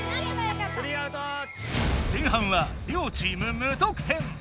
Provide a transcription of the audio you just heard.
前半は両チーム無得点。